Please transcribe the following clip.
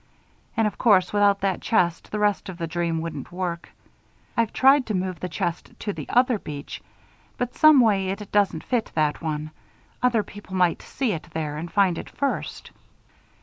And of course, without that chest, the rest of the dream wouldn't work. I've tried to move the chest to the other beach; but some way, it doesn't fit that one other people might see it there and find it first."